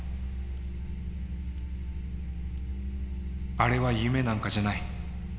あれは夢なんかじゃない。